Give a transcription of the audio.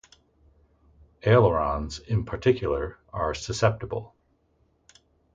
Ailerons, in particular, are susceptible.